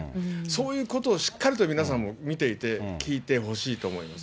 そういうことをしっかりと皆さんも見ていて、聞いてほしいと思います。